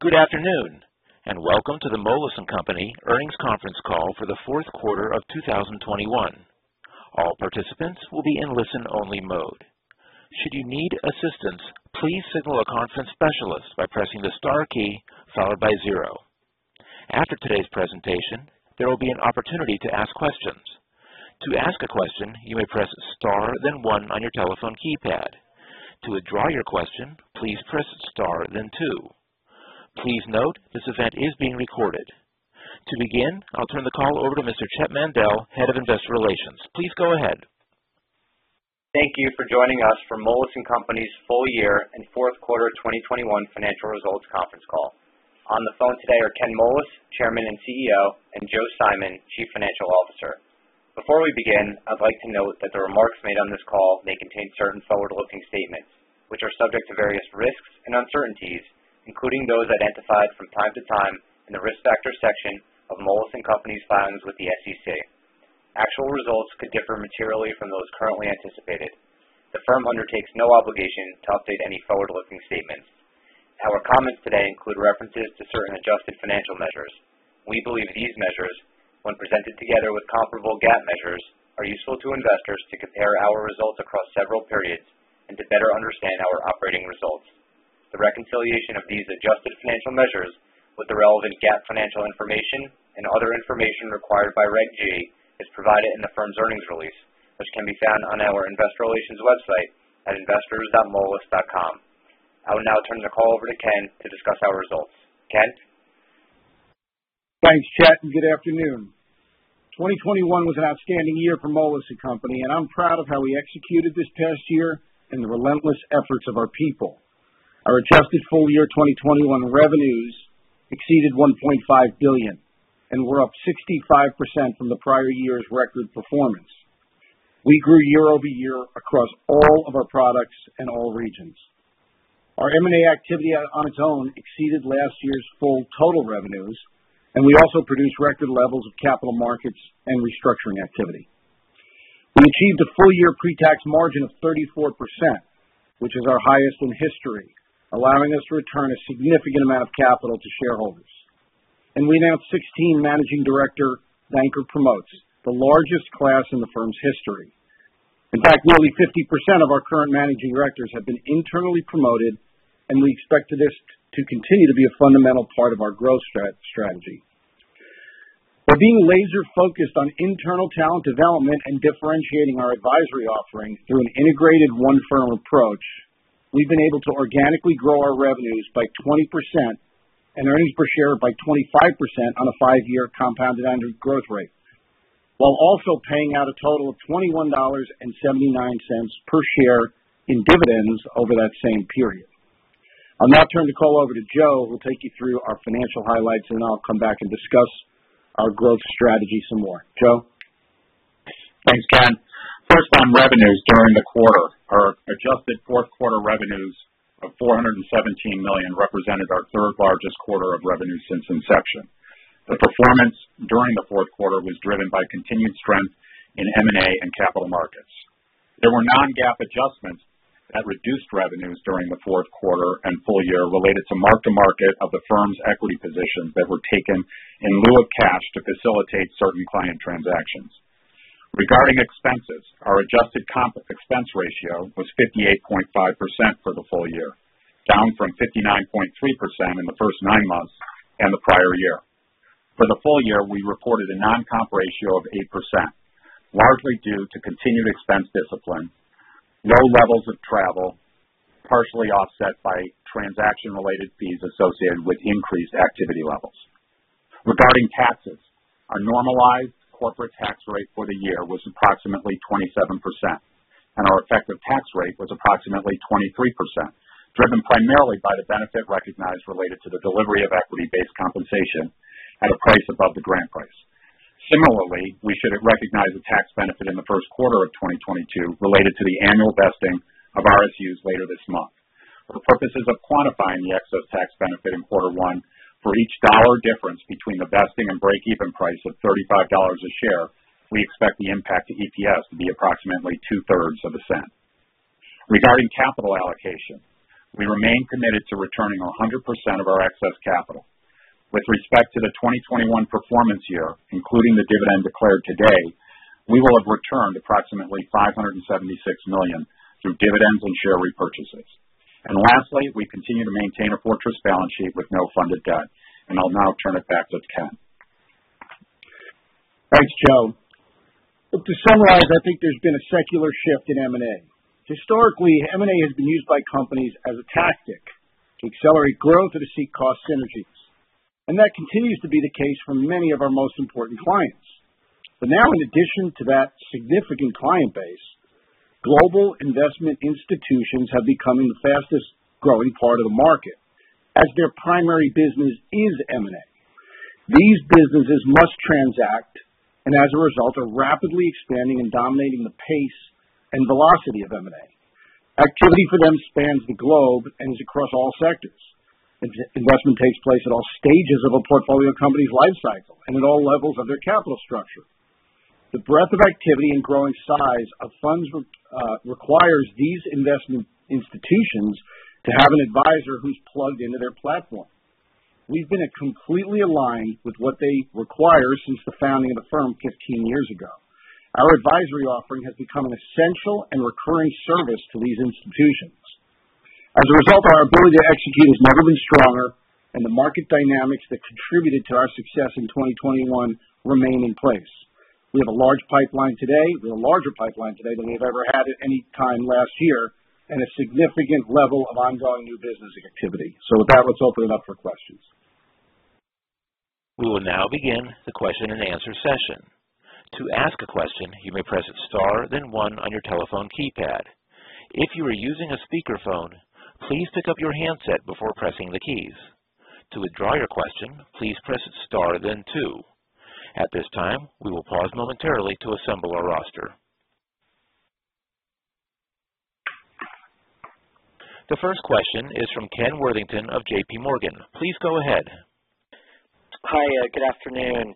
Good afternoon, and welcome to the Moelis & Company Earnings Conference Call for the fourth quarter of 2021. All participants will be in listen-only mode. Should you need assistance, please signal a conference specialist by pressing the star key followed by zero. After today's presentation, there will be an opportunity to ask questions. To ask a question, you may press star then one on your telephone keypad. To withdraw your question, please press star then two. Please note, this event is being recorded. To begin, I'll turn the call over to Mr. Chett Mandel, Head of Investor Relations. Please go ahead. Thank you for joining us for Moelis & Company's full year and fourth quarter of 2021 financial results conference call. On the phone today are Ken Moelis, Chairman and CEO, and Joe Simon, Chief Financial Officer. Before we begin, I'd like to note that the remarks made on this call may contain certain forward-looking statements, which are subject to various risks and uncertainties, including those identified from time to time in the Risk Factors section of Moelis & Company's filings with the SEC. Actual results could differ materially from those currently anticipated. The firm undertakes no obligation to update any forward-looking statements. Our comments today include references to certain adjusted financial measures. We believe these measures, when presented together with comparable GAAP measures, are useful to investors to compare our results across several periods and to better understand our operating results. The reconciliation of these adjusted financial measures with the relevant GAAP financial information and other information required by Reg G is provided in the firm's earnings release, which can be found on our investor relations website at investors.moelis.com. I will now turn the call over to Ken to discuss our results. Ken? Thanks, Chet, and good afternoon. 2021 was an outstanding year for Moelis & Company, and I'm proud of how we executed this past year and the relentless efforts of our people. Our adjusted full-year 2021 revenues exceeded $1.5 billion and were up 65% from the prior year's record performance. We grew year-over-year across all of our products and all regions. Our M&A activity on its own exceeded last year's full total revenues, and we also produced record levels of capital markets and restructuring activity. We achieved a full-year pre-tax margin of 34%, which is our highest in history, allowing us to return a significant amount of capital to shareholders. We announced 16 Managing Director banker promotes, the largest class in the firm's history. In fact, nearly 50% of our current Managing Directors have been internally promoted, and we expect this to continue to be a fundamental part of our growth strategy. By being laser-focused on internal talent development and differentiating our advisory offerings through an integrated one firm approach, we've been able to organically grow our revenues by 20% and earnings per share by 25% on a five-year compounded annual growth rate, while also paying out a total of $21.79 per share in dividends over that same period. I'll now turn the call over to Joe, who'll take you through our financial highlights, and then I'll come back and discuss our growth strategy some more. Joe? Thanks, Ken. First, on revenues during the quarter. Our adjusted fourth quarter revenues of $417 million represented our third-largest quarter of revenue since inception. The performance during the fourth quarter was driven by continued strength in M&A and capital markets. There were non-GAAP adjustments that reduced revenues during the fourth quarter and full year related to mark-to-market of the firm's equity positions that were taken in lieu of cash to facilitate certain client transactions. Regarding expenses, our adjusted comp expense ratio was 58.5% for the full year, down from 59.3% in the first nine months and the prior year. For the full year, we reported a non-comp ratio of 8%, largely due to continued expense discipline, low levels of travel, partially offset by transaction-related fees associated with increased activity levels. Regarding taxes, our normalized corporate tax rate for the year was approximately 27%, and our effective tax rate was approximately 23%, driven primarily by the benefit recognized related to the delivery of equity-based compensation at a price above the grant price. Similarly, we should recognize a tax benefit in the first quarter of 2022 related to the annual vesting of RSUs later this month. For purposes of quantifying the excess tax benefit in quarter one, for each dollar difference between the vesting and breakeven price of $35 a share, we expect the impact to EPS to be approximately two-thirds of a cent. Regarding capital allocation, we remain committed to returning 100% of our excess capital. With respect to the 2021 performance year, including the dividend declared today, we will have returned approximately $576 million through dividends and share repurchases. Lastly, we continue to maintain a fortress balance sheet with no funded debt. I'll now turn it back to Ken. Thanks, Joe. To summarize, I think there's been a secular shift in M&A. Historically, M&A has been used by companies as a tactic to accelerate growth or to seek cost synergies, and that continues to be the case for many of our most important clients. But now, in addition to that significant client base, global investment institutions have become the fastest-growing part of the market, as their primary business is M&A. These businesses must transact, and as a result, are rapidly expanding and dominating the pace and velocity of M&A. Activity for them spans the globe and is across all sectors. Investment takes place at all stages of a portfolio company's life cycle and at all levels of their capital structure. The breadth of activity and growing size of funds requires these investment institutions to have an advisor who's plugged into their platform. We've been completely aligned with what they require since the founding of the firm 15 years ago. Our advisory offering has become an essential and recurring service to these institutions. As a result, our ability to execute has never been stronger, and the market dynamics that contributed to our success in 2021 remain in place. We have a large pipeline today. We have a larger pipeline today than we've ever had at any time last year and a significant level of ongoing new business activity. With that, let's open it up for questions. We will now begin the question-and-answer session. To ask a question, you may press star then one on your telephone keypad. If you are using a speakerphone, please pick up your handset before pressing the keys. To withdraw your question, please press star then two. At this time, we will pause momentarily to assemble our roster. The first question is from Ken Worthington of JPMorgan. Please go ahead. Hi, good afternoon.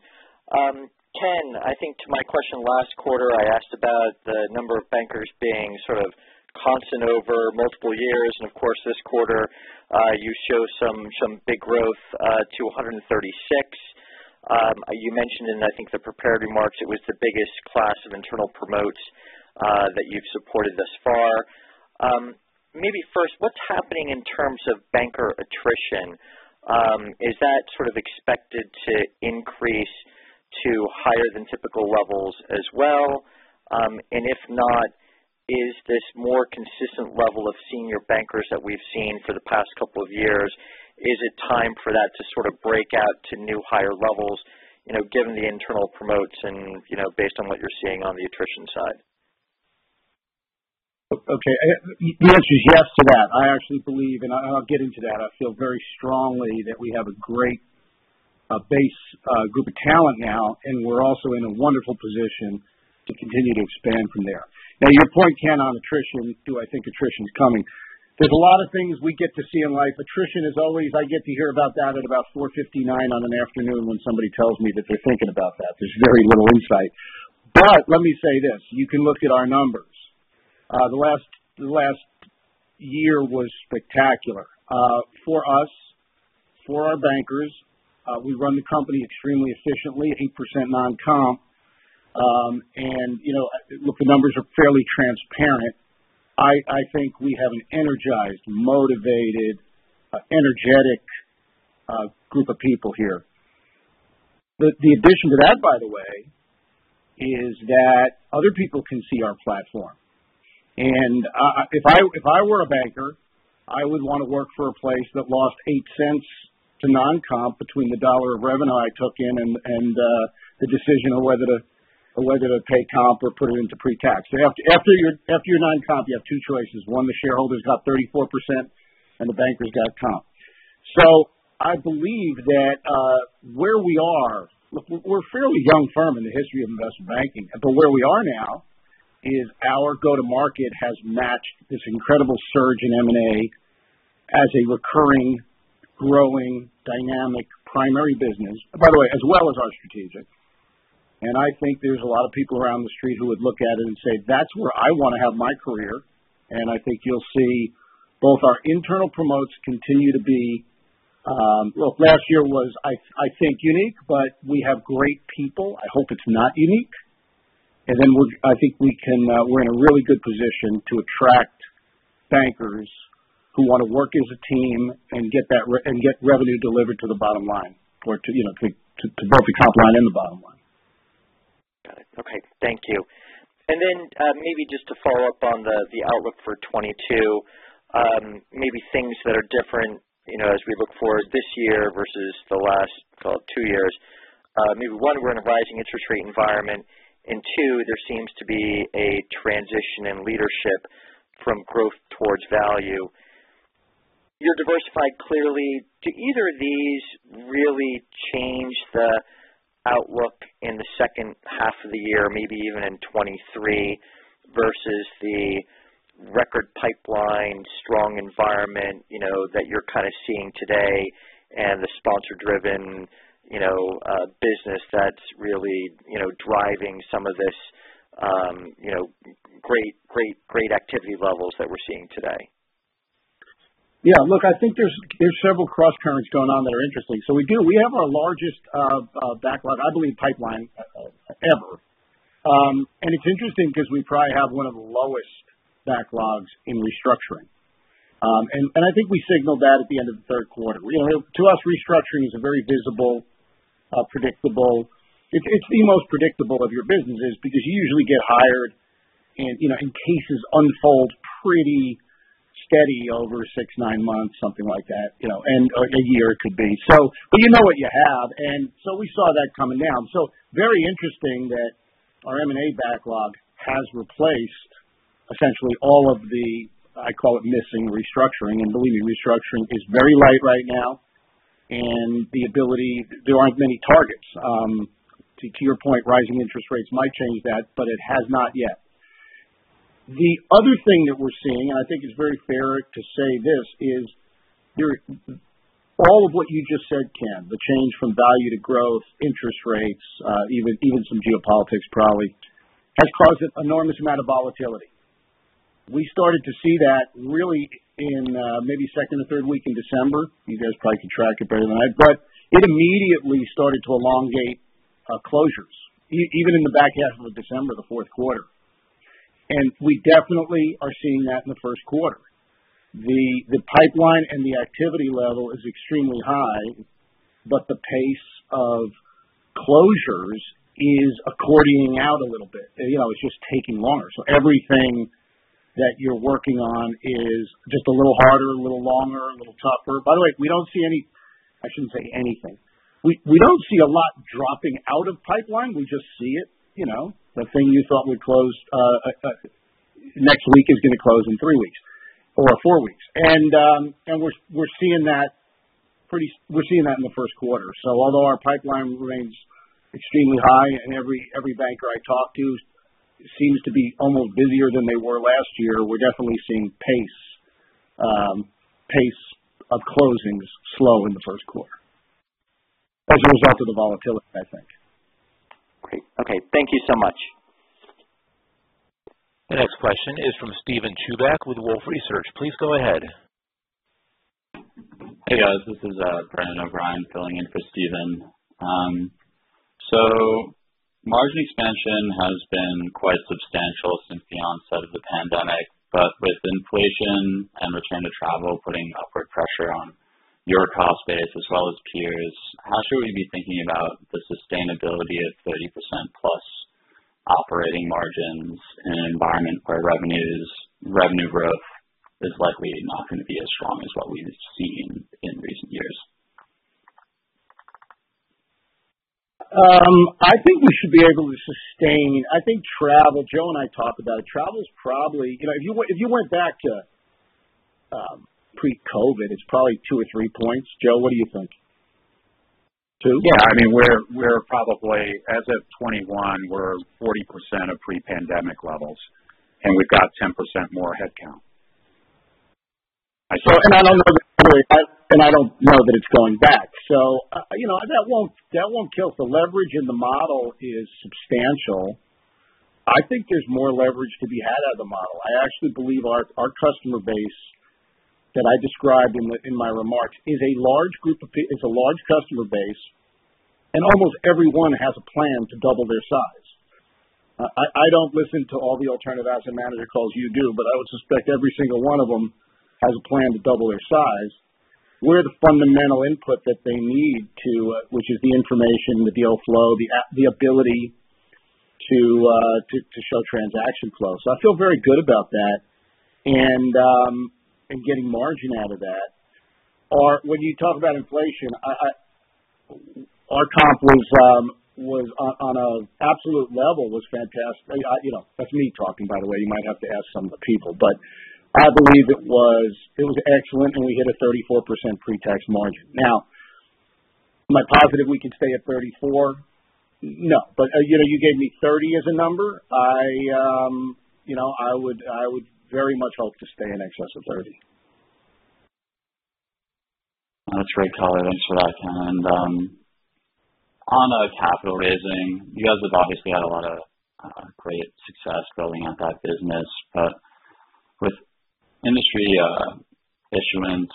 Ken, I think to my question last quarter, I asked about the number of bankers being sort of constant over multiple years. Of course, this quarter, you show some big growth to 136. You mentioned in, I think, the prepared remarks, it was the biggest class of internal promotes that you've supported thus far. Maybe first, what's happening in terms of banker attrition? Is that sort of expected to increase to higher than typical levels as well? And if not, is this more consistent level of senior bankers that we've seen for the past couple of years, is it time for that to sort of break out to new higher levels, you know, given the internal promotes and, you know, based on what you're seeing on the attrition side? Okay. The answer is yes to that. I actually believe, and I'll get into that. I feel very strongly that we have a great base group of talent now, and we're also in a wonderful position to continue to expand from there. Now, your point, Ken, on attrition. Do I think attrition is coming? There's a lot of things we get to see in life. Attrition is always. I get to hear about that at about 4:59 P.M. on an afternoon when somebody tells me that they're thinking about that. There's very little insight. Let me say this, you can look at our numbers. The last year was spectacular for us, for our bankers. We run the company extremely efficiently, 8% non-comp. You know, look, the numbers are fairly transparent. I think we have an energized, motivated, energetic group of people here. The addition to that, by the way, is that other people can see our platform. If I were a banker, I would wanna work for a place that lost $0.08 to non-comp between the $1 of revenue I took in and the decision on whether to pay comp or put it into pre-tax. After your non-comp, you have 2 choices. 1, the shareholders got 34% and the bankers got comp. I believe that where we are. Look, we're a fairly young firm in the history of investment banking. Where we are now is our go-to-market has matched this incredible surge in M&A as a recurring, growing, dynamic primary business, by the way, as well as our strategic. I think there's a lot of people around the street who would look at it and say, "That's where I wanna have my career." I think you'll see both our internal promotes continue to be. Look, last year was, I think, unique, but we have great people. I hope it's not unique. I think we can. We're in a really good position to attract bankers who wanna work as a team and get revenue delivered to the bottom line or to, you know, both the top line and the bottom line. Got it. Okay. Thank you. Maybe just to follow up on the outlook for 2022, maybe things that are different, you know, as we look forward this year versus the last, well, two years. Maybe one, we're in a rising interest rate environment, and two, there seems to be a transition in leadership from growth towards value. You're diversified, clearly. Do either of these really change the outlook in the second half of the year, maybe even in 2023, versus the record pipeline, strong environment, you know, that you're kinda seeing today and the sponsor-driven, you know, business that's really, you know, driving some of this, you know, great activity levels that we're seeing today? Look, I think there's several crosscurrents going on that are interesting. We do. We have our largest backlog, I believe, pipeline ever. And it's interesting because we probably have one of the lowest backlogs in restructuring. And I think we signaled that at the end of the third quarter. You know, to us, restructuring is a very visible, predictable. It's the most predictable of our businesses because you usually get hired and cases unfold pretty steady over six, nine months, something like that, you know, and a year it could be. But you know what you have. We saw that coming down. Very interesting that our M&A backlog has replaced essentially all of the, I call it missing restructuring. And believe me, restructuring is very light right now. There aren't many targets. To your point, rising interest rates might change that, but it has not yet. The other thing that we're seeing, and I think it's very fair to say this, is all of what you just said, Ken, the change from value to growth, interest rates, even some geopolitics probably has caused an enormous amount of volatility. We started to see that really in maybe second or third week in December. You guys probably can track it better than I. It immediately started to elongate closures even in the back half of December, the fourth quarter. We definitely are seeing that in the first quarter. The pipeline and the activity level is extremely high, but the pace of closures is accordioning out a little bit. You know, it's just taking longer. Everything that you're working on is just a little harder, a little longer, a little tougher. By the way, we don't see any. I shouldn't say anything. We don't see a lot dropping out of pipeline. We just see it. You know, the thing you thought would close next week is gonna close in three weeks or four weeks. We're seeing that in the first quarter. Although our pipeline remains extremely high and every banker I talk to seems to be almost busier than they were last year, we're definitely seeing pace of closings slow in the first quarter as a result of the volatility, I think. Great. Okay. Thank you so much. The next question is from Steven Chubak with Wolfe Research. Please go ahead. Hey, guys, this is Brendan O'Brien filling in for Steven. Margin expansion has been quite substantial since the onset of the pandemic. With inflation and return to travel putting upward pressure on your cost base as well as peers, how should we be thinking about the sustainability of 30%+ operating margins in an environment where revenue growth is likely not gonna be as strong as what we've seen in recent years? I think we should be able to sustain. I think travel. Joe and I talked about it. Travel is probably, you know, if you went back to pre-COVID, it's probably two or three points. Joe, what do you think? Two? Yeah. I mean, we're probably, as of 2021, we're 40% of pre-pandemic levels, and we've got 10% more headcount. I don't know that it's going back. You know, that won't kill. The leverage in the model is substantial. I think there's more leverage to be had out of the model. I actually believe our customer base that I described in my remarks is a large customer base, and almost everyone has a plan to double their size. I don't listen to all the alternative asset manager calls you do, but I would suspect every single one of them has a plan to double their size. We're the fundamental input that they need to, which is the information, the deal flow, the ability to show transaction flow. I feel very good about that and getting margin out of that. When you talk about inflation, our comp was, on an absolute level, fantastic. You know, that's me talking, by the way. You might have to ask some of the people. I believe it was excellent, and we hit a 34% pre-tax margin. Now, am I positive we can stay at 34%? No. You know, you gave me 30% as a number. You know, I would very much hope to stay in excess of 30%. That's very color. Thanks for that. On the capital raising, you guys have obviously had a lot of great success building out that business. With industry issuance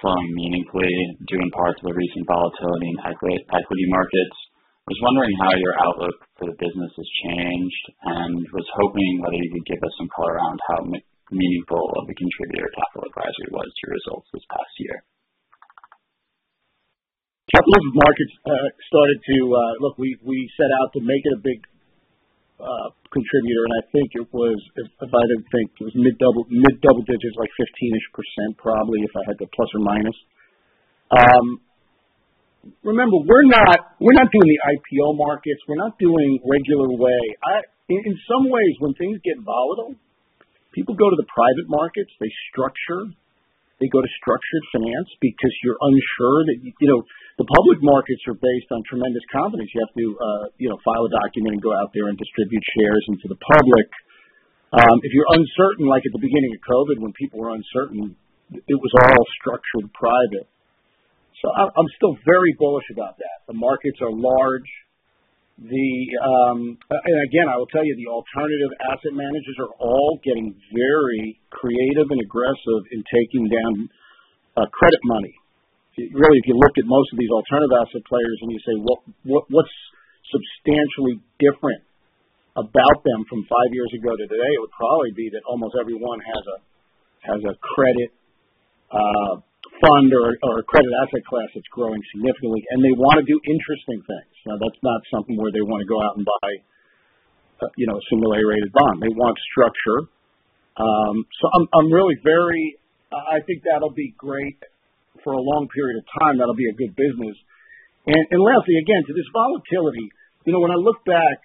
slowing meaningfully due in part to the recent volatility in equity markets, I was wondering how your outlook for the business has changed and was hoping whether you could give us some color around how meaningful of a contributor Capital Advisory was to your results this past year. Capital markets started to look, we set out to make it a big contributor, and I think it was, if I didn't think it was mid-double digits, like 15-ish% probably if I had to plus or minus. Remember, we're not doing the IPO markets. We're not doing regular way. In some ways, when things get volatile, people go to the private markets. They structure. They go to structured finance because you're unsure that you know, the public markets are based on tremendous confidence. You have to you know, file a document and go out there and distribute shares into the public. If you're uncertain, like at the beginning of COVID when people were uncertain, it was all structured private. I'm still very bullish about that. The markets are large. The Again, I will tell you, the alternative asset managers are all getting very creative and aggressive in taking down credit money. Really, if you looked at most of these alternative asset players and you say, "Well, what's substantially different about them from five years ago to today?" It would probably be that almost everyone has a credit fund or credit asset class that's growing significantly, and they wanna do interesting things. Now, that's not something where they wanna go out and buy, you know, similar A-rated bond. They want structure. So I'm really very I think that'll be great for a long period of time. That'll be a good business. Lastly, again, to this volatility, you know, when I look back,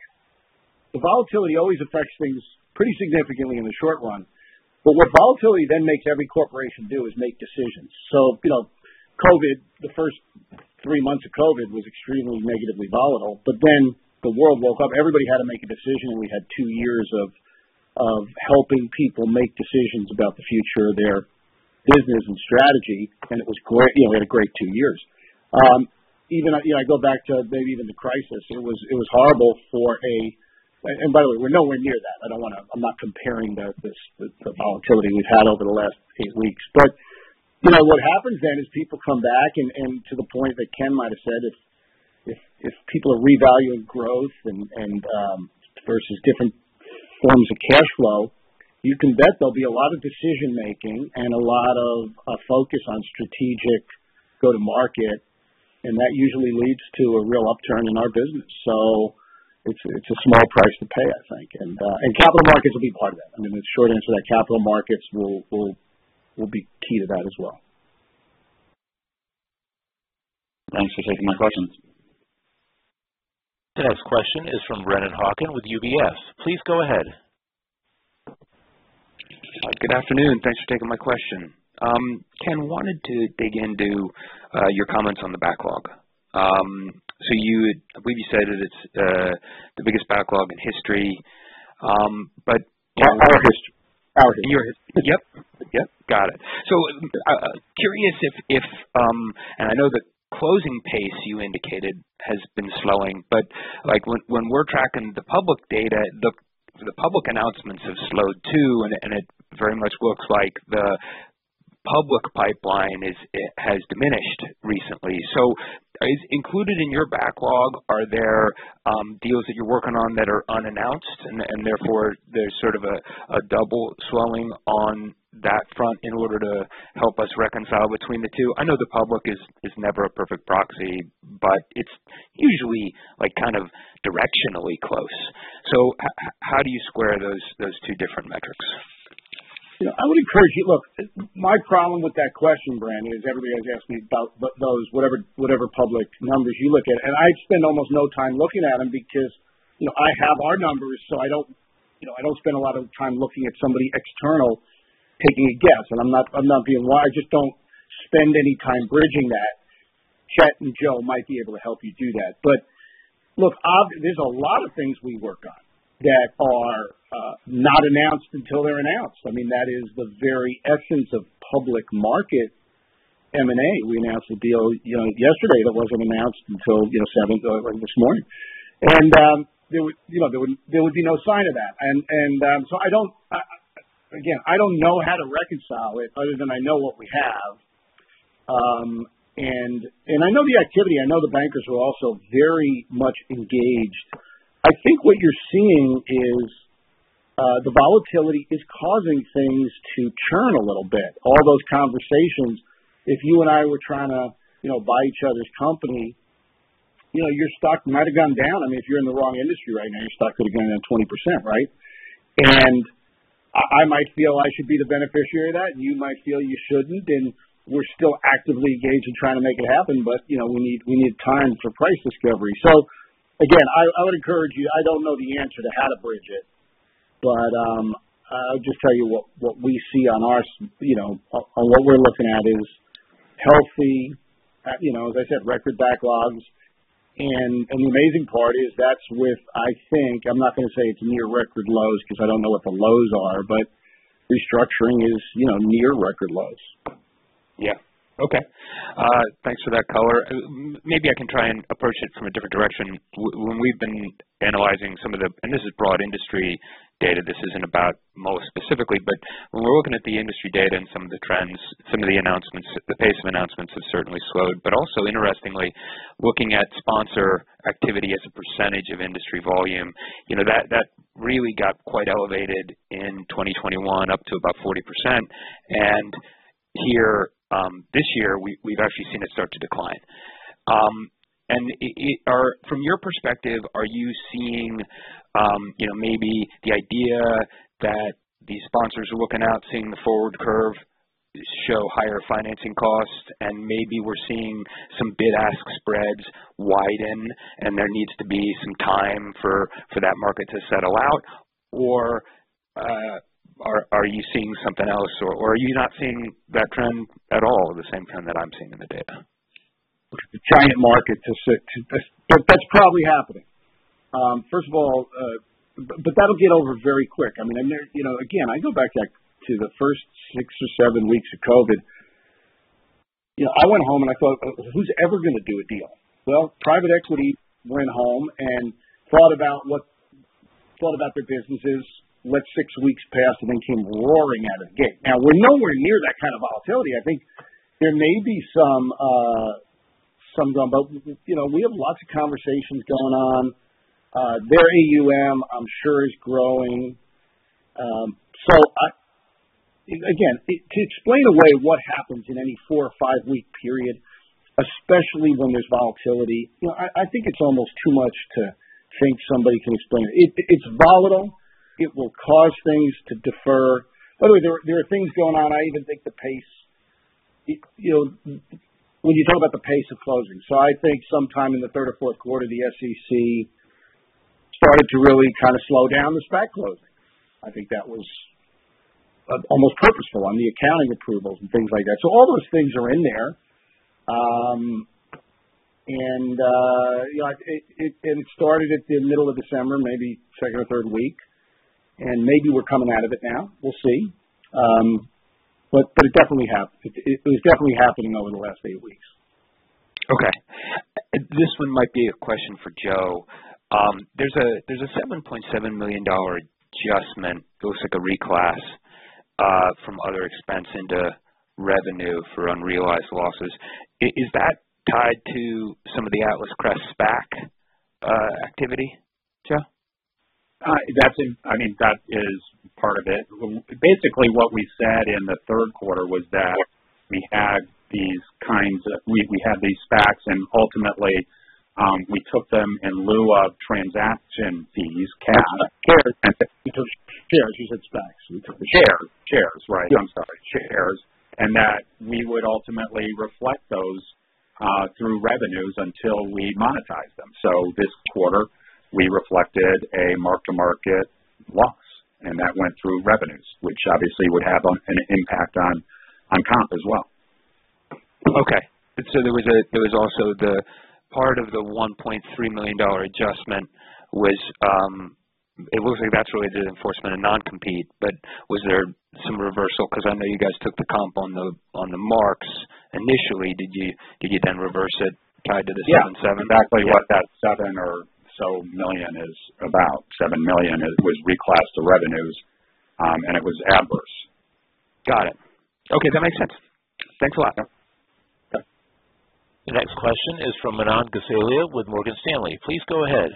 the volatility always affects things pretty significantly in the short run. What volatility then makes every corporation do is make decisions. You know, COVID, the first three months of COVID was extremely negatively volatile, but then the world woke up. Everybody had to make a decision, and we had two years of helping people make decisions about the future of their business and strategy. It was great. You know, we had a great two years. Even I, you know, I go back to maybe even the crisis. It was horrible for a. By the way, we're nowhere near that. I don't wanna. I'm not comparing the this the the volatility we've had over the last eight weeks. You know, what happens then is people come back and to the point that Ken might have said, if people revalue growth and versus different forms of cash flow, you can bet there'll be a lot of decision-making and a lot of focus on strategic go-to-market, and that usually leads to a real upturn in our business. So it's a small price to pay, I think. Capital markets will be part of that. I mean, the short answer to that, capital markets will be key to that as well. Thanks for taking my question. The next question is from Brennan Hawken with UBS. Please go ahead. Good afternoon. Thanks for taking my question. Ken, I wanted to dig into your comments on the backlog. I believe you said that it's the biggest backlog in history, but- Our history. Yep. Yep. Got it. I know the closing pace you indicated has been slowing, but, like, when we're tracking the public data, the public announcements have slowed too, and it very much looks like the public pipeline has diminished recently. Is included in your backlog, are there deals that you're working on that are unannounced and therefore there's sort of a double swelling on that front in order to help us reconcile between the two? I know the public is never a perfect proxy, but it's usually like kind of directionally close. How do you square those two different metrics? You know, I would encourage you. Look, my problem with that question, Brendan, is everybody has asked me about what those, whatever public numbers you look at, and I spend almost no time looking at them because, you know, I have our numbers, so I don't, you know, I don't spend a lot of time looking at somebody external taking a guess. I'm not being wrong. I just don't spend any time bridging that. Chet and Joe might be able to help you do that. Look, there's a lot of things we work on that are not announced until they're announced. I mean, that is the very essence of public market M&A. We announced a deal, you know, yesterday that wasn't announced until, you know, seven or this morning. There would, you know, be no sign of that. again, I don't know how to reconcile it other than I know what we have. I know the activity. I know the bankers were also very much engaged. I think what you're seeing is, the volatility is causing things to churn a little bit. All those conversations, if you and I were trying to, you know, buy each other's company, you know, your stock might have gone down. I mean, if you're in the wrong industry right now, your stock could have gone down 20%, right? I might feel I should be the beneficiary of that, and you might feel you shouldn't, and we're still actively engaged in trying to make it happen. You know, we need time for price discovery. I would encourage you. I don't know the answer to how to bridge it, but I'll just tell you what we see on our side. You know, on what we're looking at is healthy, you know, as I said, record backlogs. The amazing part is that's with, I think. I'm not gonna say it's near record lows because I don't know what the lows are, but restructuring is, you know, near record lows. Yeah. Okay. Thanks for that color. Maybe I can try and approach it from a different direction. When we've been analyzing some of the, this is broad industry data, this isn't about Moelis specifically, but when we're looking at the industry data and some of the trends, some of the announcements, the pace of announcements have certainly slowed. Also interestingly, looking at sponsor activity as a percentage of industry volume, you know, that really got quite elevated in 2021 up to about 40%. Here, this year, we've actually seen it start to decline. Are... From your perspective, are you seeing, you know, maybe the idea that these sponsors are looking out, seeing the forward curve show higher financing costs, and maybe we're seeing some bid-ask spreads widen, and there needs to be some time for that market to settle out? Or, are you seeing something else or are you not seeing that trend at all, the same trend that I'm seeing in the data? It's a giant market. That's probably happening. First of all, that'll get over very quick. I mean, there, you know, again, I go back, like, to the first six or seven weeks of COVID. You know, I went home and I thought, "Well, who's ever gonna do a deal?" Well, private equity went home and thought about their businesses, let six weeks pass, and then came roaring out of the gate. Now we're nowhere near that kind of volatility. I think there may be some of them. We, you know, we have lots of conversations going on. Their AUM, I'm sure is growing. I... Again, to explain away what happens in any four or five-week period, especially when there's volatility, you know, I think it's almost too much to think somebody can explain it. It's volatile. It will cause things to defer. By the way, there are things going on, I even think the pace you know, when you talk about the pace of closing, so I think sometime in the third or fourth quarter, the SEC started to really kind of slow down the SPAC load. I think that was almost purposeful on the accounting approvals and things like that. So all those things are in there. You know, it started in the middle of December, maybe second or third week, and maybe we're coming out of it now. We'll see. It was definitely happening over the last eight weeks. Okay. This one might be a question for Joe. There's a $7.7 million adjustment. It looks like a reclass from other expense into revenue for unrealized losses. Is that tied to some of the Atlas Crest SPAC activity, Joe? I mean, that is part of it. Basically what we said in the third quarter was that we had these kinds of SPACs and ultimately we took them in lieu of transaction fees, cash. Shares. We took shares. You said SPACs. We took the shares. Shares. Right, I'm sorry. That we would ultimately reflect those through revenues until we monetize them. This quarter, we reflected a mark-to-market loss, and that went through revenues, which obviously would have an impact on comp as well. Okay. There was also the part of the $1.3 million adjustment was, it looks like that's related to enforcement of non-compete, but was there some reversal? Because I know you guys took the comp on the marks initially. Did you then reverse it tied to the 77? Yeah. Exactly what that $7 or so million is about. $7 million was reclassed to revenues, and it was adverse. Got it. Okay. That makes sense. Thanks a lot. Yeah. The next question is from Manan Gosalia with Morgan Stanley. Please go ahead.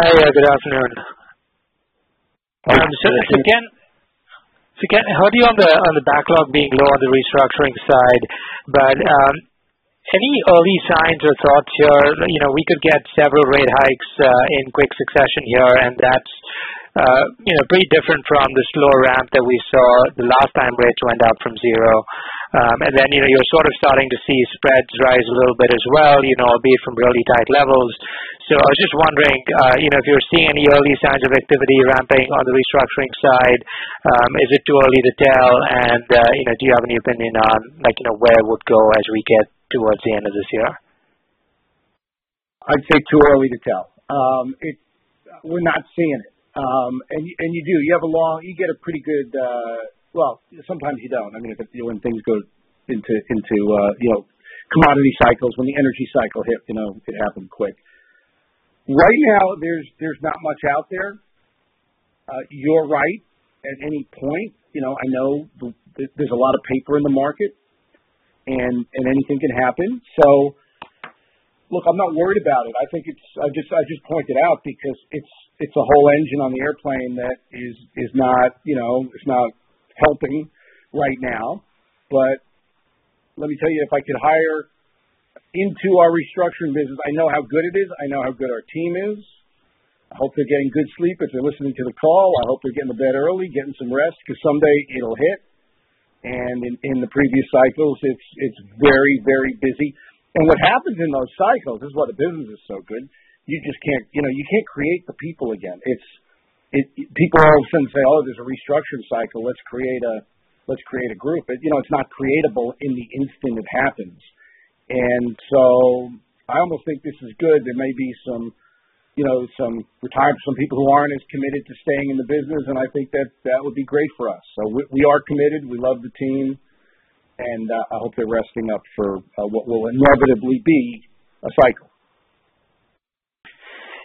Hi. Good afternoon. Hi, Manan. I heard you on the backlog being low on the restructuring side, but any early signs or thoughts here, you know, we could get several rate hikes in quick succession here, and that's you know, pretty different from the slow ramp that we saw the last time rates went up from zero. Then, you know, you're sort of starting to see spreads rise a little bit as well, you know, be it from really tight levels. I was just wondering, you know, if you're seeing any early signs of activity ramping on the restructuring side. Is it too early to tell? You know, do you have any opinion on, like, you know, where it would go as we get towards the end of this year? I'd say it's too early to tell. We're not seeing it. And you do. You get a pretty good. Well, sometimes you don't. I mean, when things go into commodity cycles, when the energy cycle hit, you know, it happened quick. Right now, there's not much out there. You're right. At any point, you know, I know there's a lot of paper in the market and anything can happen. Look, I'm not worried about it. I think. I just point it out because it's a whole engine on the airplane that is not, you know, helping right now. Let me tell you, if I could hire into our restructuring business, I know how good it is. I know how good our team is. I hope they're getting good sleep. If they're listening to the call, I hope they're getting to bed early, getting some rest, because someday it'll hit. In the previous cycles, it's very busy. What happens in those cycles, this is why the business is so good, you just can't. You know, you can't create the people again. It's people all of a sudden say, "Oh, there's a restructuring cycle. Let's create a group." You know, it's not creatable in the instant it happens. I almost think this is good. There may be some, you know, some people who aren't as committed to staying in the business, and I think that would be great for us. We are committed. We love the team, and I hope they're resting up for what will inevitably be a cycle.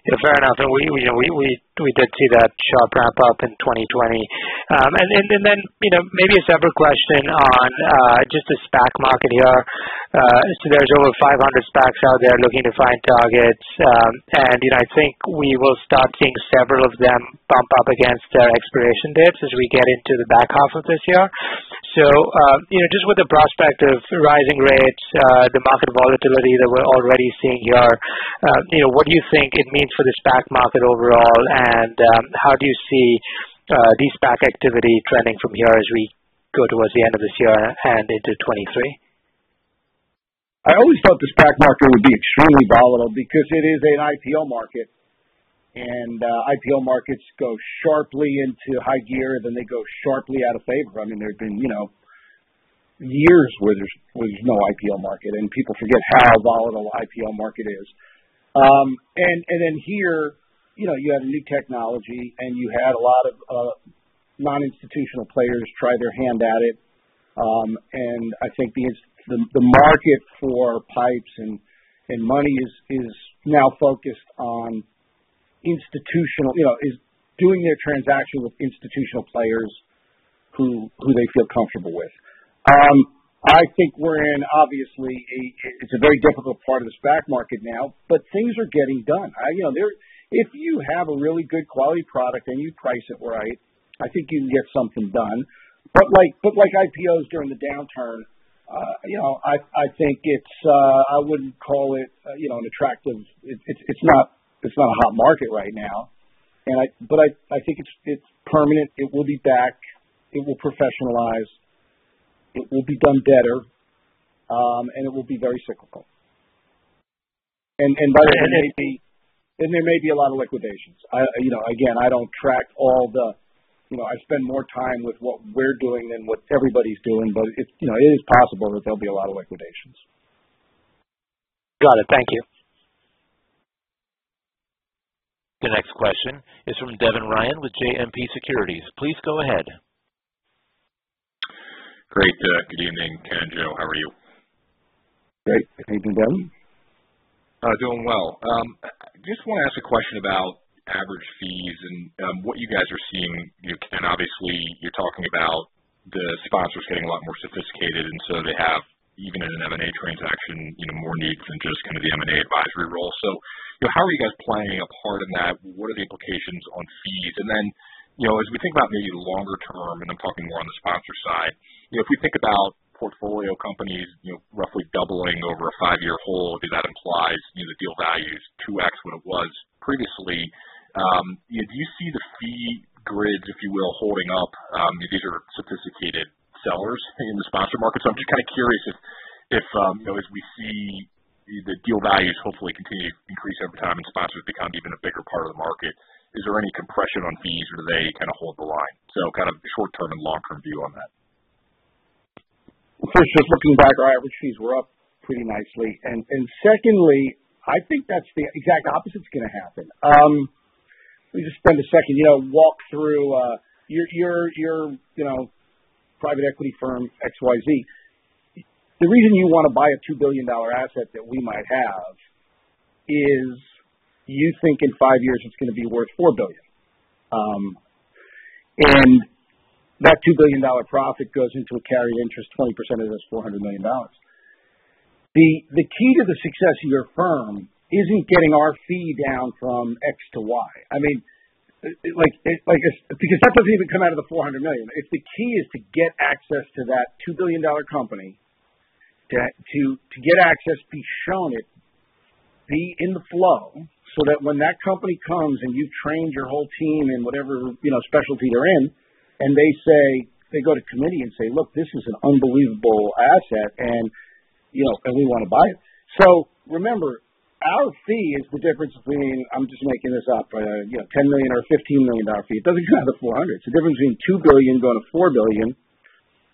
Yeah, fair enough. We, you know, we did see that sharp ramp up in 2020. Then, you know, maybe a separate question on just the SPAC market here. So there's over 500 SPACs out there looking to find targets. You know, I think we will start seeing several of them bump up against their expiration dates as we get into the back half of this year. You know, just with the prospect of rising rates, the market volatility that we're already seeing here, you know, what do you think it means for the SPAC market overall? How do you see the SPAC activity trending from here as we go towards the end of this year and into 2023? I always thought the SPAC market would be extremely volatile because it is an IPO market. IPO markets go sharply into high gear, then they go sharply out of favor. I mean, there have been, you know, years where there's no IPO market, and people forget how volatile IPO market is. Then here, you know, you had a new technology, and you had a lot of non-institutional players try their hand at it. I think the market for PIPEs and M&A is now focused on institutional, you know, doing their transaction with institutional players who they feel comfortable with. I think we're obviously in a very difficult part of the SPAC market now, but things are getting done. You know, if you have a really good quality product and you price it right, I think you can get something done. Like IPOs during the downturn, you know, I think it's not a hot market right now. I think it's permanent. It will be back. It will professionalize. It will be done better, and it will be very cyclical. By the way And, and- There may be a lot of liquidations. I, you know, again, I don't track all the you know, I spend more time with what we're doing than what everybody's doing, but it's, you know, it is possible that there'll be a lot of liquidations. Got it. Thank you. The next question is from Devin Ryan with JMP Securities. Please go ahead. Great. Good evening, Ken, Joe, how are you? Good evening, Devin. Doing well. I just wanna ask a question about average fees and what you guys are seeing. You know, Ken, obviously you're talking about the sponsors getting a lot more sophisticated, and so they have, even in an M&A transaction, you know, more needs than just kinda the M&A advisory role. You know, how are you guys playing a part in that? What are the implications on fees? You know, as we think about maybe the longer term, and I'm talking more on the sponsor side, you know, if we think about portfolio companies, you know, roughly doubling over a five-year hold, that implies, you know, the deal value's 2x what it was previously. You know, do you see the fee grids, if you will, holding up if these are sophisticated sellers in the sponsor market? I'm just kinda curious if you know, as we see the deal values hopefully continue to increase over time and sponsors become even a bigger part of the market, is there any compression on fees or do they kinda hold the line? Kind of short-term and long-term view on that. First, just looking back, our average fees were up pretty nicely. Secondly, I think that's the exact opposite's gonna happen. Let me just spend a second, you know, walk through, you're your private equity firm XYZ. The reason you wanna buy a $2 billion asset that we might have is you think in five years it's gonna be worth $4 billion. And that $2 billion profit goes into a carried interest, 20% of it is $400 million. The key to the success of your firm isn't getting our fee down from X to Y. I mean, like, I guess, because that doesn't even come out of the $400 million. If the key is to get access to that $2 billion company, to get access, be shown it, be in the flow, so that when that company comes and you've trained your whole team in whatever, you know, specialty they're in, and they go to committee and say, "Look, this is an unbelievable asset and, you know, and we wanna buy it." Remember, our fee is the difference between, I'm just making this up, you know, $10 million or a $15 million fee. It doesn't change the 400. It's the difference between $2 billion going to $4 billion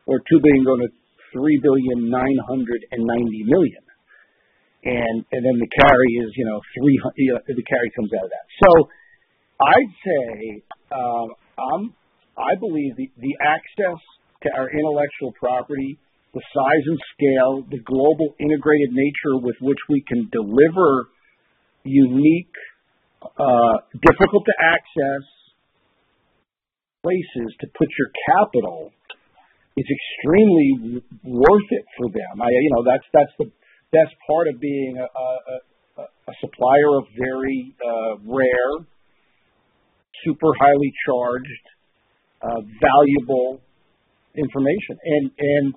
or $2 billion going to $3.99 billion. Then the carry is, you know, the carry comes out of that. I'd say I believe the access to our intellectual property, the size and scale, the global integrated nature with which we can deliver unique, difficult to access places to put your capital is extremely worth it for them. You know, that's the best part of being a supplier of very rare, super highly charged, valuable information and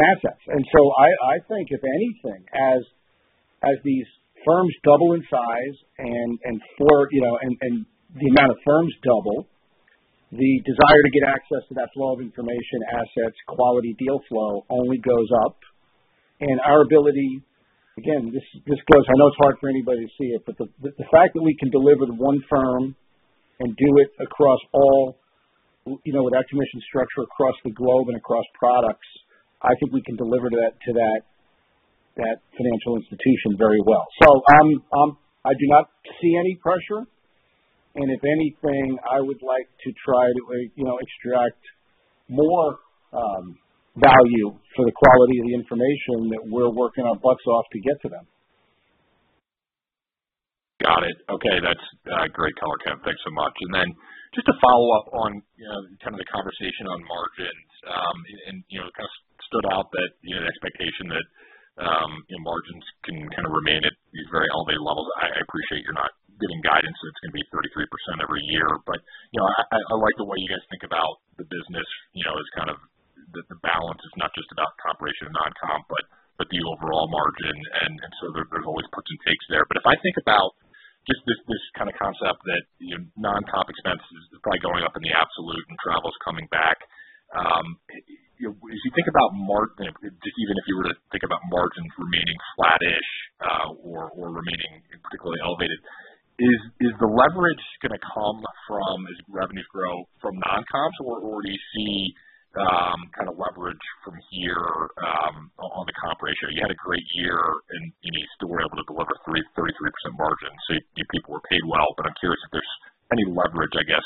assets. I think if anything, as these firms double in size and, you know, the amount of firms double, the desire to get access to that flow of information, assets, quality deal flow only goes up. Our ability, again, this goes. I know it's hard for anybody to see it, but the fact that we can deliver to one firm and do it across all, you know, with our commission structure across the globe and across products. I think we can deliver that to that financial institution very well. I do not see any pressure, and if anything, I would like to try to, you know, extract more value for the quality of the information that we're working our butts off to get to them. Got it. Okay. That's great color, Ken. Thanks so much. Just to follow up on, you know, kind of the conversation on margins. You know, it kind of stood out that, you know, the expectation that, you know, margins can kinda remain at these very elevated levels. I like the way you guys think about the business, you know, as kind of the balance is not just about comp ratio, non-comp, but the overall margin, and so there's always perks and takes there. If I think about just this kind of concept that, you know, non-comp expenses is probably going up in the absolute and travel's coming back, you know, if you think about even if you were to think about margins remaining flattish, or remaining particularly elevated, is the leverage gonna come from, as revenues grow from non-comps or do you see kinda leverage from here, on the comp ratio? You had a great year and you still were able to deliver 33% margins, so you know, people were paid well, but I'm curious if there's any leverage, I guess,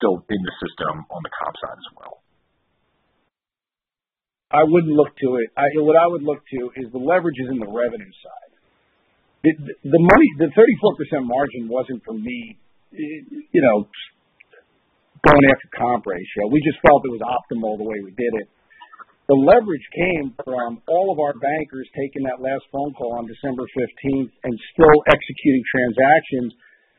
still in the system on the comp side as well. I wouldn't look to it. What I would look to is the leverage is in the revenue side. The 34% margin wasn't for me, you know, going after comp ratio. We just felt it was optimal the way we did it. The leverage came from all of our bankers taking that last phone call on December fifteenth and still executing transactions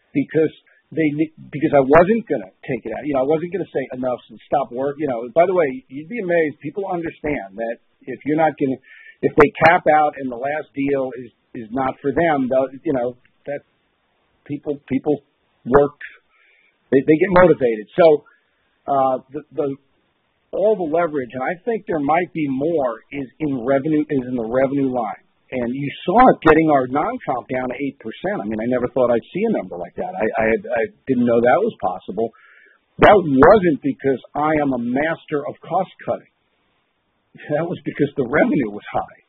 because I wasn't gonna take it out. You know, I wasn't gonna say enough and stop work, you know. By the way, you'd be amazed, people understand that if you're not gonna. If they cap out and the last deal is not for them, they'll, you know. People worked. They get motivated. All the leverage, and I think there might be more, is in revenue, is in the revenue line. You saw it getting our non-comp down to 8%. I mean, I never thought I'd see a number like that. I didn't know that was possible. That wasn't because I am a master of cost cutting. That was because the revenue was high.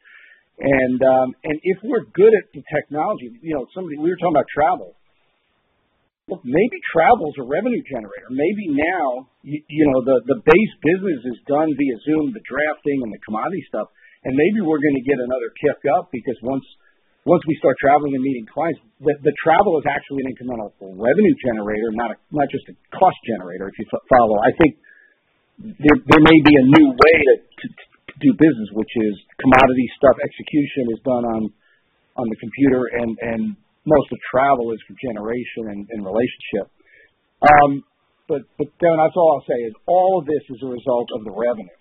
If we're good at the technology, you know, we were talking about travel. Look, maybe travel is a revenue generator. Maybe now you know, the base business is done via Zoom, the drafting and the commodity stuff, and maybe we're gonna get another kick up because once we start traveling and meeting clients, the travel is actually an incremental revenue generator, not just a cost generator, if you follow. I think there may be a new way to do business, which is commodity stuff. Execution is done on the computer, and most of travel is for generation and relationship. Devin, that's all I'll say is all of this is a result of the revenue.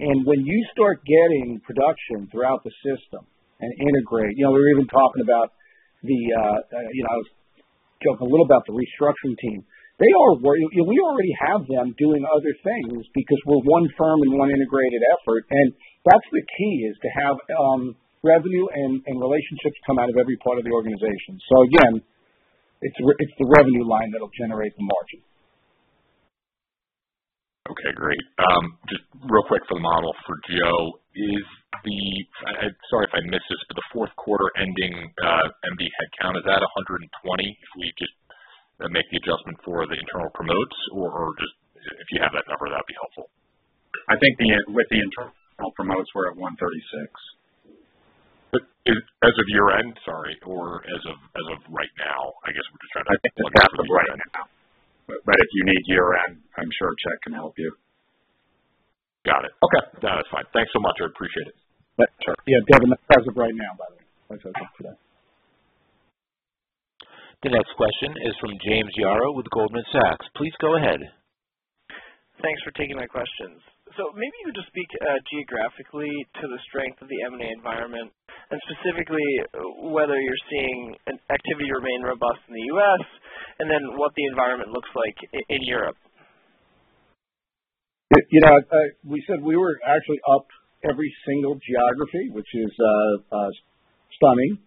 When you start getting production throughout the system and integrate. You know, we were even talking about, you know, I was joking a little about the restructuring team. We already have them doing other things because we're one firm and one integrated effort, and that's the key, is to have revenue and relationships come out of every part of the organization. Again, it's the revenue line that'll generate the margin. Okay, great. Just real quick for the model for Joe. Is the fourth quarter ending MD headcount 120 if we just make the adjustment for the internal promotions or if you have that number, that'd be helpful. I think with the internal promotes, we're at 136. Is it as of year-end, sorry, or as of right now? I guess we're just trying to look at- I think as of right now. If you need year-end, I'm sure Chet can help you. Got it. Okay. No, that's fine. Thanks so much. I appreciate it. Sure. Yeah. Devin, that's as of right now, by the way. As I said today. The next question is from James Yaro with Goldman Sachs. Please go ahead. Thanks for taking my questions. Maybe you could just speak geographically to the strength of the M&A environment and specifically whether you're seeing activity remain robust in the U.S. and then what the environment looks like in Europe. You know, we said we were actually up every single geography, which is stunning.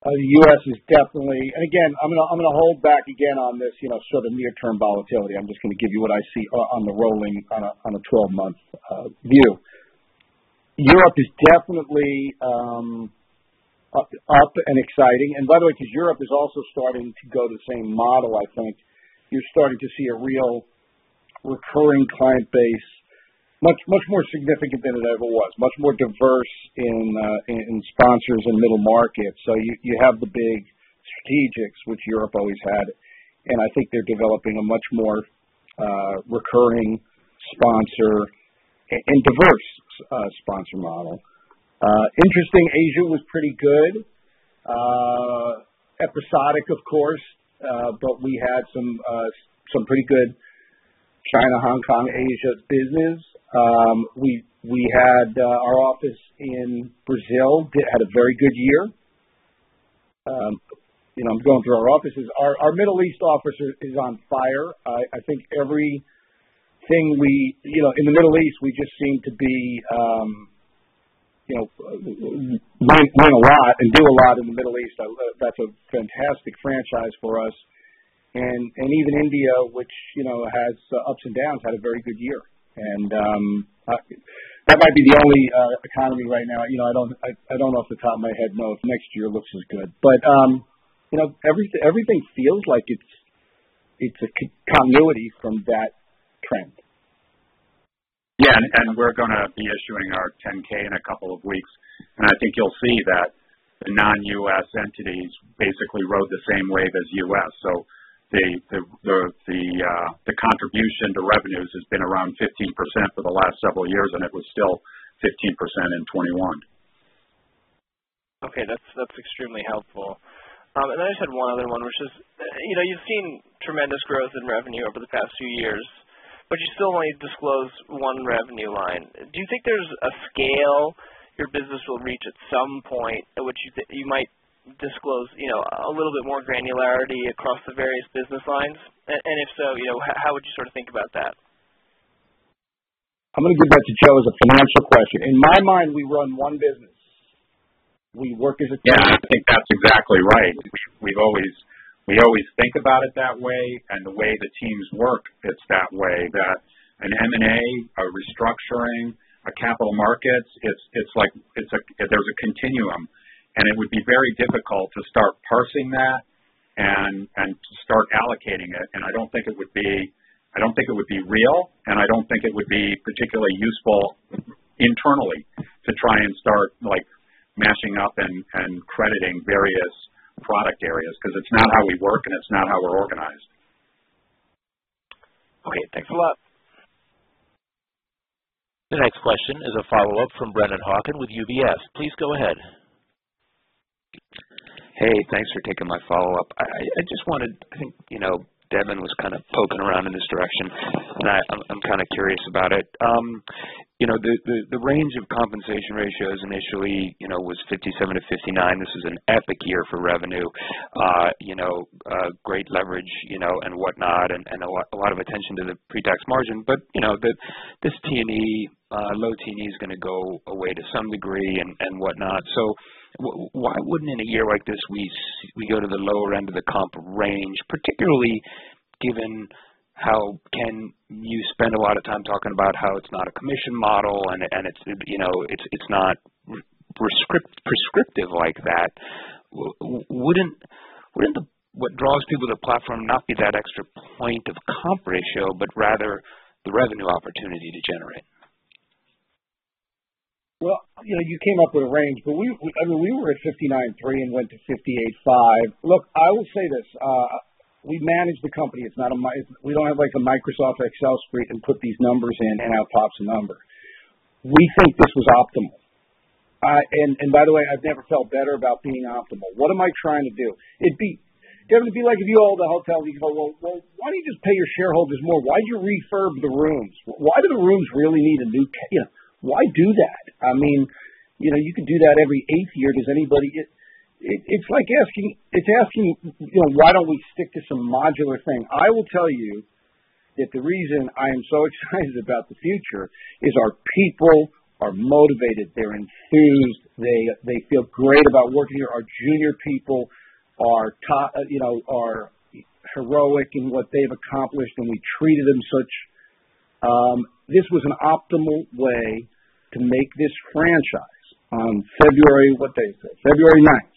The U.S. is definitely up. Again, I'm gonna hold back on this, you know, sort of near-term volatility. I'm just gonna give you what I see on a rolling 12-month view. Europe is definitely up and exciting. By the way, because Europe is also starting to go the same model, I think. You're starting to see a real recurring client base, much more significant than it ever was, much more diverse in sponsors and middle markets. You have the big strategics, which Europe always had, and I think they're developing a much more recurring sponsor and diverse sponsor model. Interesting, Asia was pretty good. Episodic, of course, but we had some pretty good China, Hong Kong, Asia business. We had our office in Brazil had a very good year. You know, I'm going through our offices. Our Middle East office is on fire. You know, in the Middle East, we just seem to be, you know, winning a lot and doing a lot in the Middle East. That's a fantastic franchise for us. Even India, which, you know, has ups and downs, had a very good year. That might be the only economy right now. You know, I don't off the top of my head know if next year looks as good. But you know, everything feels like it's a continuity from that trend. Yeah. We're gonna be issuing our 10-K in a couple of weeks. I think you'll see that the non-U.S. entities basically rode the same wave as U.S. The contribution to revenues has been around 15% for the last several years, and it was still 15% in 2021. Okay. That's extremely helpful. I just had one other one, which is, you know, you've seen tremendous growth in revenue over the past few years, but you still only disclose one revenue line. Do you think there's a scale your business will reach at some point at which you might disclose, you know, a little bit more granularity across the various business lines? If so, you know, how would you sort of think about that? I'm gonna give that to Joe as a financial question. In my mind, we run one business. We work as a team. Yeah. I think that's exactly right. We always think about it that way, and the way the teams work, it's that way, that an M&A, a restructuring, a capital markets, it's like there's a continuum. It would be very difficult to start parsing that and to start allocating it. I don't think it would be real, and I don't think it would be particularly useful internally to try and start, like, mashing up and crediting various product areas because it's not how we work and it's not how we're organized. Okay. Thanks a lot. The next question is a follow-up from Brennan Hawken with UBS. Please go ahead. Hey, thanks for taking my follow-up. I think, you know, Devin was kind of poking around in this direction, and I'm kinda curious about it. You know, the range of compensation ratios initially, you know, was 57%-59%. This is an epic year for revenue. You know, a great leverage, you know, and whatnot, and a lot of attention to the pre-tax margin. You know, the low T&E is gonna go away to some degree and whatnot. Why wouldn't, in a year like this, we go to the lower end of the comp range, particularly given how Ken, you spend a lot of time talking about how it's not a commission model and it's, you know, not prescriptive like that. Wouldn't what draws people to the platform not be that extra point of comp ratio, but rather the revenue opportunity to generate? Well, you know, you came up with a range, but we, I mean, we were at 59.3 and went to 58.5. Look, I will say this. We manage the company. We don't have, like, a Microsoft Excel screen and put these numbers in and out pops a number. We think this was optimal. And by the way, I've never felt better about being optimal. What am I trying to do? It'd be Devin, it'd be like if you own all the hotels and you go, "Well, why don't you just pay your shareholders more? Why do you refurb the rooms? Why do the rooms really need a new? You know, why do that? I mean, you know, you can do that every 8th year. Does anybody get it? It's like asking, you know, why don't we stick to some modular thing? I will tell you that the reason I am so excited about the future is our people are motivated. They're enthused. They feel great about working here. Our junior people, you know, are heroic in what they've accomplished, and we treated them as such. This was an optimal way to make this franchise on February, what day is it? February nine.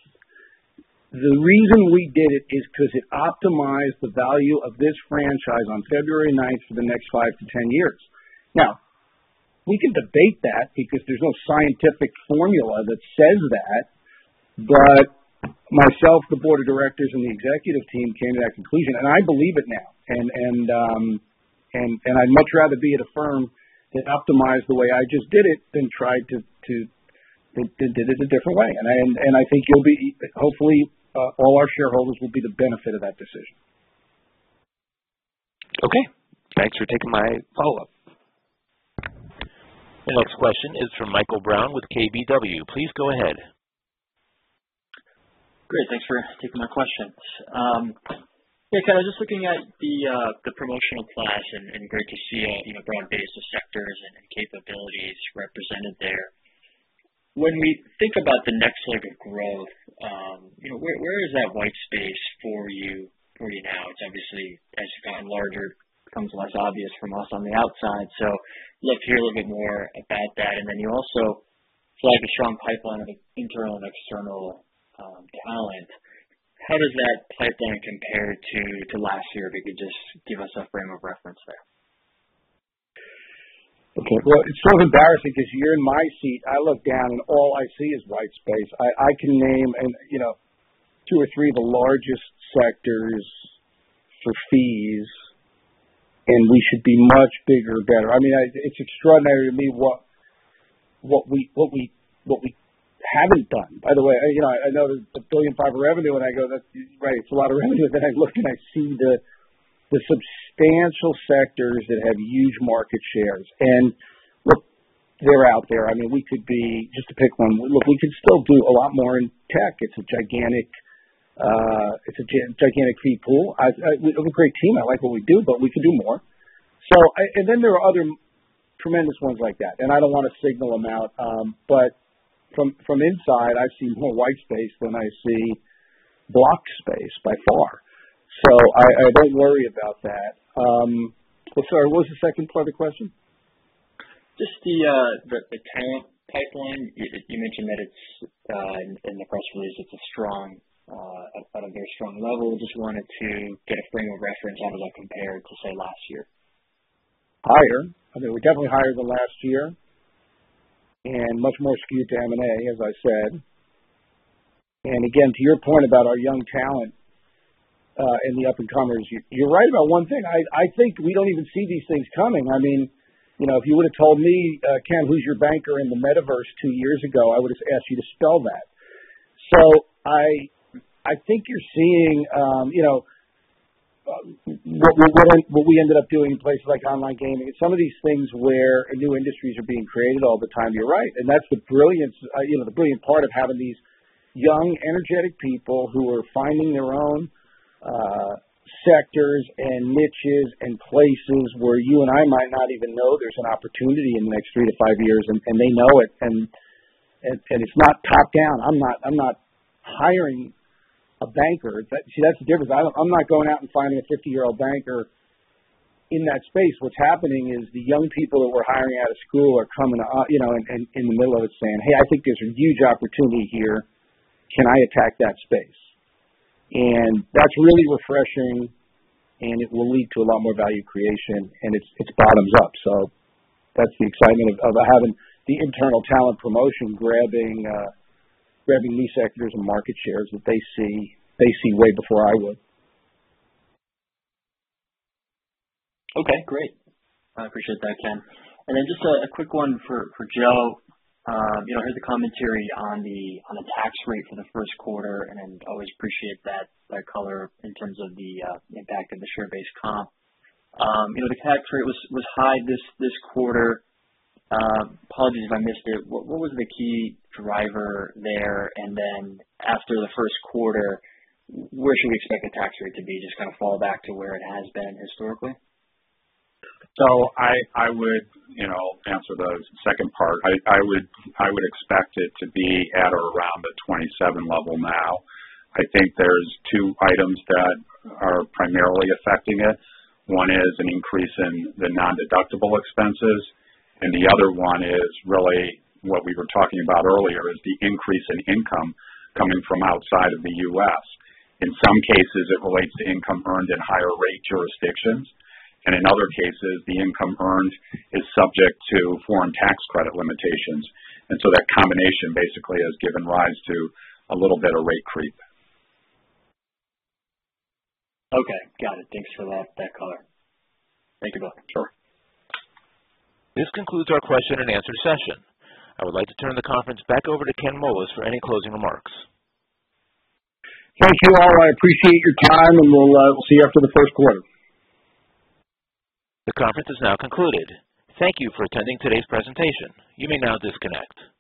The reason we did it is 'cause it optimized the value of this franchise on February nine for the next five to 10 years. Now, we can debate that because there's no scientific formula that says that. Myself, the board of directors and the executive team came to that conclusion, and I believe it now. I'd much rather be at a firm that optimized the way I just did it than tried to do it a different way. I think you'll benefit from that decision. Hopefully all our shareholders will benefit from that decision. Okay. Thanks for taking my follow-up. The next question is from Michael Brown with KBW. Please go ahead. Great. Thanks for taking my questions. Hey, Ken. I was just looking at the promotional class, and great to see a, you know, broad base of sectors and capabilities represented there. When we think about the next leg of growth, you know, where is that white space for you now? It's obviously, as you've gotten larger, becomes less obvious from us on the outside. Love to hear a little bit more about that. Then you also flag a strong pipeline of internal and external talent. How does that pipeline compare to last year? If you could just give us a frame of reference there. Okay. Well, it's sort of embarrassing because you're in my seat. I look down, and all I see is white space. I can name you know, two or three of the largest sectors for fees, and we should be much bigger, better. I mean, It's extraordinary to me what we haven't done. By the way, you know, I know there's $1.5 billion revenue, and I go, "That's right. It's a lot of revenue." Then I look, and I see the substantial sectors that have huge market shares. Look, they're out there. I mean, we could be, just to pick one. Look, we could still do a lot more in tech. It's a gigantic fee pool. We have a great team. I like what we do, but we could do more. I... There are other tremendous ones like that, and I don't wanna single them out. From inside, I see more white space than I see black space by far. I don't worry about that. I'm sorry, what was the second part of the question? Just the talent pipeline. You mentioned that it's in the press release, it's strong at a very strong level. Just wanted to get a frame of reference. How does that compare to, say, last year? Higher. I mean, we're definitely higher than last year and much more skewed to M&A, as I said. Again, to your point about our young talent and the up-and-comers, you're right about one thing. I think we don't even see these things coming. I mean, you know, if you would've told me, "Ken, who's your banker in the metaverse?" two years ago, I would've asked you to spell that. I think you're seeing, you know, what we ended up doing in places like online gaming and some of these things where new industries are being created all the time, you're right. That's the brilliance, you know, the brilliant part of having these young, energetic people who are finding their own sectors and niches and places where you and I might not even know there's an opportunity in the next three to five years, and they know it. It's not top-down. I'm not hiring a banker. See, that's the difference. I'm not going out and finding a fifty-year-old banker in that space. What's happening is the young people that we're hiring out of school are coming up, you know, in the middle of it saying, "Hey, I think there's a huge opportunity here. Can I attack that space?" That's really refreshing, and it will lead to a lot more value creation, and it's bottoms up. That's the excitement of having the internal talent promotion grabbing these sectors and market shares that they see way before I would. Okay, great. I appreciate that, Ken. Then just a quick one for Joe. You know, I heard the commentary on the tax rate for the first quarter, and always appreciate that color in terms of the impact of the share-based comp. You know, the tax rate was high this quarter. Apologies if I missed it. What was the key driver there? And then after the first quarter, where should we expect the tax rate to be? Just kinda fall back to where it has been historically? I would, you know, answer the second part. I would expect it to be at or around the 27% level now. I think there's two items that are primarily affecting it. One is an increase in the non-deductible expenses, and the other one is really what we were talking about earlier, is the increase in income coming from outside of the U.S. In some cases, it relates to income earned in higher rate jurisdictions, and in other cases, the income earned is subject to foreign tax credit limitations. That combination basically has given rise to a little bit of rate creep. Okay. Got it. Thanks for that color. Thank you both. Sure. This concludes our question and answer session. I would like to turn the conference back over to Ken Moelis for any closing remarks. Thank you, all. I appreciate your time, and we'll see you after the first quarter. The conference is now concluded. Thank you for attending today's presentation. You may now disconnect.